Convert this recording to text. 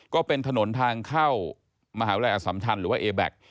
ก็เป็นถนนทางเข้ามหาวิทยาลัยอสัมชันหรือว่าเอแบ็ค